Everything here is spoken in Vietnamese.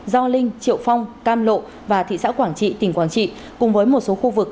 do linh triệu phong cam lộ và thị xã quảng trị tỉnh quảng trị cùng với một số khu vực